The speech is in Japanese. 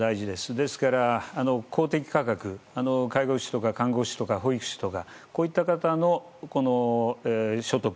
ですから、公的価格介護士とか看護師とか保育士とか、こういった方の所得